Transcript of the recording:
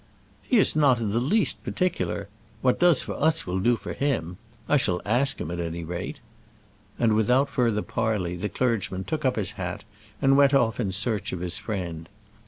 "He is not in the least particular. What does for us will do for him. I shall ask him, at any rate." And without further parley the clergyman took up his hat and went off in search of his friend.